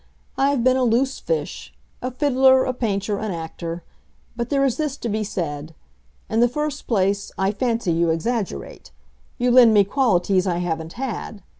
I have been a loose fish—a fiddler, a painter, an actor. But there is this to be said: In the first place, I fancy you exaggerate; you lend me qualities I haven't had.